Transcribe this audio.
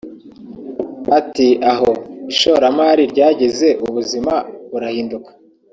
Ati “Aho ishoramari ryageze ubuzima burahinduka